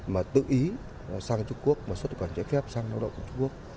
mà tự ý sang trung quốc xuất nhập cảnh trái phép sang đoàn động